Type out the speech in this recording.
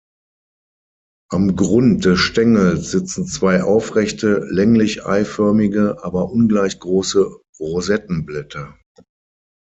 Am Grund des Stängels sitzen zwei aufrechte, länglich-eiförmige, aber ungleich große Rosettenblätter.